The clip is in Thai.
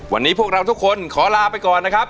วันนี้พวกเราทุกคนขอลาไปก่อนนะครับ